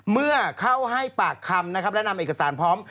เมื่อเข้าให้ปากคำนะครับและนำเอกสารพร้อม